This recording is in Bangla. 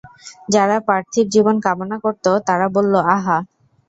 যারা পার্থিব জীবন কামনা করত তারা বলল, আহা!